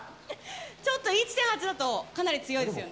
ちょっと１．８だとかなり強いですよね。